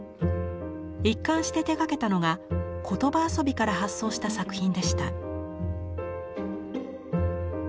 一貫して手がけたのが言葉遊びから発想した作品でした。